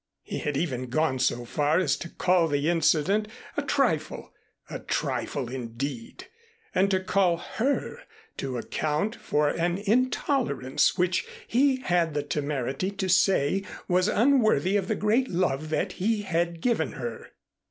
He had even gone so far as to call the incident a trifle (a trifle, indeed!) and to call her to account for an intolerance which he had the temerity to say was unworthy of the great love that he had given her.